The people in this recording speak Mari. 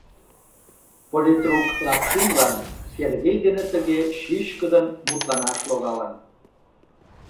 Политрук Лапшинлан Сергей дене тыге чӱчкыдын мутланаш логалын.